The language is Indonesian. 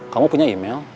kamu punya email